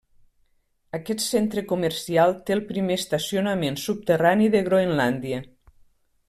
Aquest centre comercial té el primer estacionament subterrani de Groenlàndia.